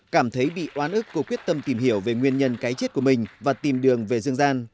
cảm thấy bị oán ức cô quyết tâm tìm hiểu về nguyên nhân cái chết của mình và tìm đường về dương gian